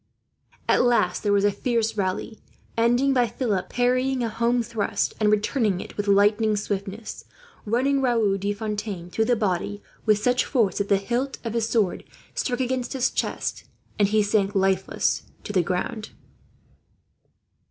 At last there was a fierce rally, ending by Philip parrying a home thrust and, returning it with lightning swiftness, running Raoul de Fontaine through the body with such force that the hilt of his sword struck against his chest, and he sank lifeless to the ground.